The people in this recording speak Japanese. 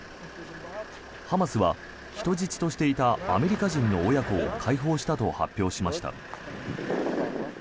ハマスは人質としていたアメリカ人の親子を解放したと発表しました。